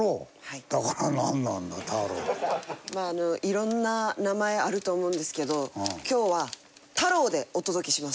いろんな名前あると思うんですけど今日は「たろう」でお届けします。